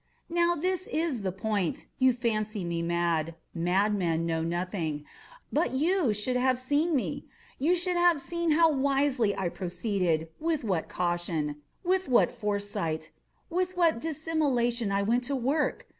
Now this is the point. You fancy me mad. Madmen know nothing. But you should have seen me. You should have seen how wisely I proceeded—with what caution—with what foresight—with what dissimulation I went to work!